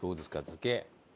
漬け。